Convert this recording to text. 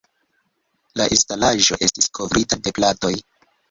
La instalaĵo estis kovrita de platoj.